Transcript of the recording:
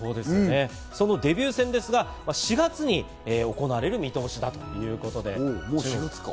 そのデビュー戦ですが、４月に行われる見通しだということです。